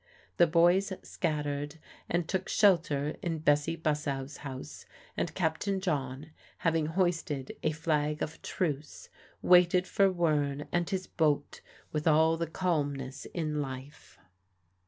The boys scattered and took shelter in Bessie Bussow's house, and Captain John, having hoisted a flag of truce, waited for Wearne and his boat with all the calmness in life.